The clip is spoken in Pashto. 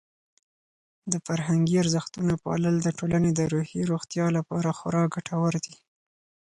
د فرهنګي ارزښتونو پالل د ټولنې د روحي روغتیا لپاره خورا ګټور دي.